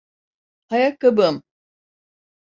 Ayakkabım!